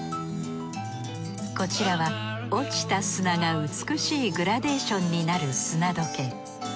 こちらは落ちた砂が美しいグラデーションになる砂時計。